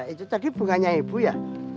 itu tadi bunganya ibu ya